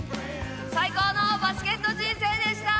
最高のバスケット人生でした！